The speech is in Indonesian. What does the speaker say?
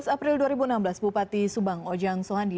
tujuh belas april dua ribu enam belas bupati subang ojang sohandi